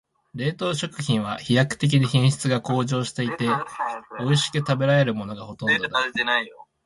冷凍食品は飛躍的に品質が向上していて、おいしく食べられるものがほとんどだ。